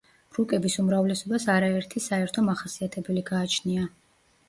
რუკების უმრავლესობას არაერთი საერთო მახასიათებელი გააჩნია.